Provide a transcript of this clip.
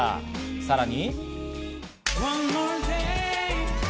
さらに。